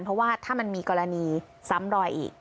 เพราะว่าถ้ามันมีกรณีซ้ำรอยอีก